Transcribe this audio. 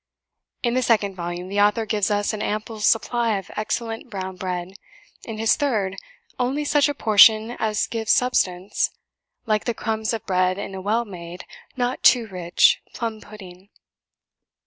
In the second volume, the author gives us an ample supply of excellent brown bread; in his third, only such a portion as gives substance, like the crumbs of bread in a well made, not too rich, plum pudding."